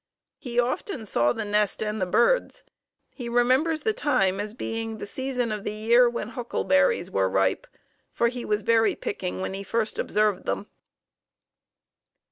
He often saw the nest and the birds. He remembers the time as being the season of the year when huckleberries were ripe, for he was berry picking when he first observed them.